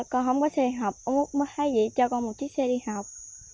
con không có xe học ông úc mới thay dị cho con một chiếc xe đi học